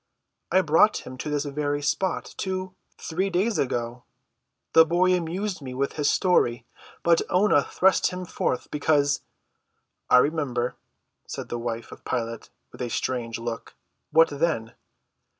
I brought him to this very spot two—three days ago. The boy amused me with his story. But Oonah thrust him forth because—" "I remember," said the wife of Pilate with a strange look. "What then?"